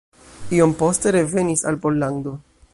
Iom poste revenis al Pollando.